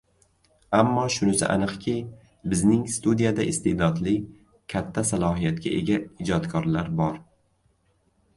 Ammo shunisi aniqki, bizning studiyada iste’dodli, katta salohiyatga ega ijodkorlar bor.